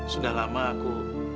sudah lama aku